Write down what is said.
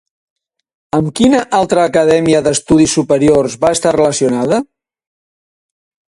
Amb quina altra acadèmia d'estudis superiors va estar relacionada?